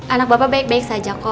anak bapak baik baik saja kok